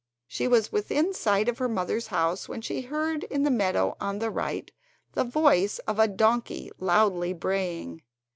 She was within sight of her mother's house when she heard in the meadow on the right, the voice of a donkey loudly braying.